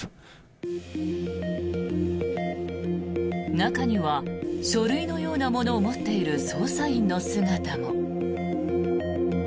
中には書類のようなものを持っている捜査員の姿も。